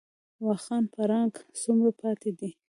واخان پړانګ څومره پاتې دي؟